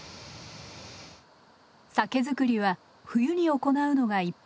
酒造りは冬に行うのが一般的。